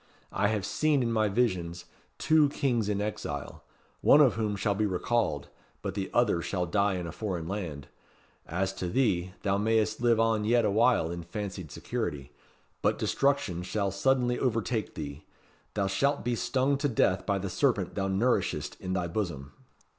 I have seen in my visions two Kings in exile: one of whom shall be recalled, but the other shall die in a foreign land. As to thee, thou mayst live on yet awhile in fancied security. But destruction shall suddenly overtake thee. Thou shalt be stung to death by the serpent thou nourishest in thy bosom."